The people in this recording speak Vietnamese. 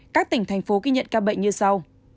các tỉnh thành phố ghi nhận ca bệnh như sau